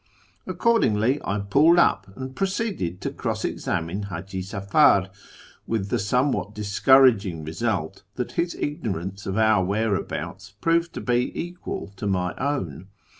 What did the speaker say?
Accordingly I pulled up, and proceeded to cross examine Haji Safar, with the somewhat discouraging result that his ignorance of our whereabouts proved to be equal to my own.